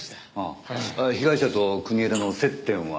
被害者と国枝の接点は？